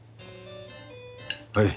はい。